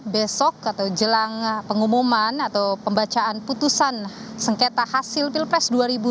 besok atau jelang pengumuman atau pembacaan putusan sengketa hasil pilpres dua ribu dua puluh